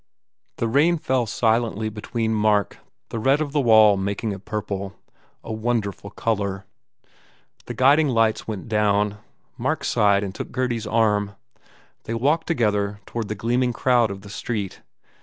The rain fell silently between Mark the red of the wall making it purple a wonderful colour. The guiding lights Vent out. Mark sighed and took Gurdy s arm. They walked together toward the gleam ing crowd of the street.